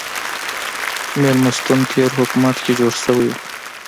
مېلمستون تېر حکومت کې جوړ شوی و.